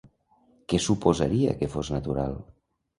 Què suposaria que fos natural?